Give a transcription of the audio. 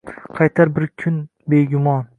Qaytar bir kun, begumon.